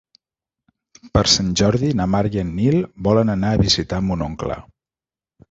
Per Sant Jordi na Mar i en Nil volen anar a visitar mon oncle.